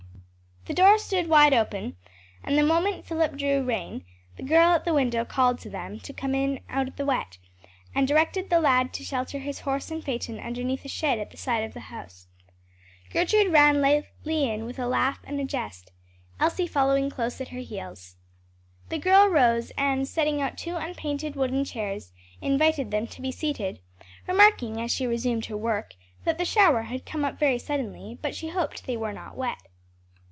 The door stood wide open and the moment Philip drew rein, the girl at the window called to them to come in out of the wet, and directed the lad to shelter his horse and phaeton underneath a shed at the side of the house. Gertrude ran lightly in with a laugh and jest, Elsie following close at her heels. The girl rose and setting out two unpainted wooden chairs, invited them to be seated, remarking as she resumed her work, that the shower had come up very suddenly, but she hoped they were not wet.